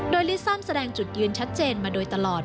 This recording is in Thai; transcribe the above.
โดยลิซัมแสดงจุดยืนชัดเจนมาโดยตลอด